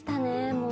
もう。